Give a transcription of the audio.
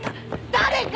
誰か！